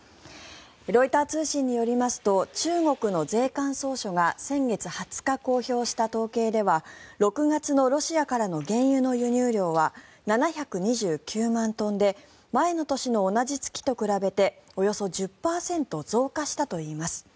ロイター通信によりますと中国の税関総署が先月２０日公表した統計では６月のロシアからの原油の輸入量は７２９万トンで前の年の同じ月と比べておよそ１０％増加したといいます。